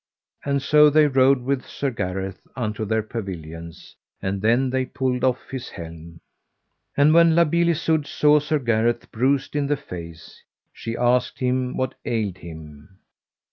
And so they rode with Sir Gareth unto their pavilions, and then they pulled off his helm. And when La Beale Isoud saw Sir Gareth bruised in the face she asked him what ailed him.